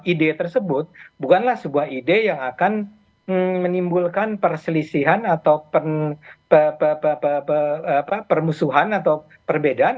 ide tersebut bukanlah sebuah ide yang akan menimbulkan perselisihan atau permusuhan atau perbedaan